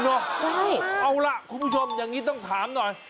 น่ากินหรอน่ามากเอาละคุณผู้ชมอย่างนี้ต้องถามหน่อย